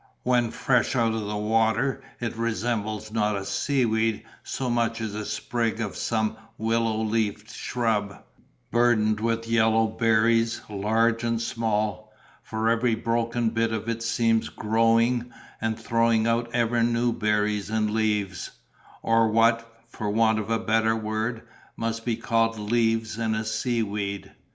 When fresh out of the water it resembles not a sea weed so much as a sprig of some willow leaved shrub, burdened with yellow berries, large and small; for every broken bit of it seems growing, and throwing out ever new berries and leaves—or what, for want of a better word, must be called leaves in a sea weed.